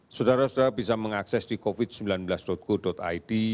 saudara saudara bisa mengakses di covid sembilan belas go id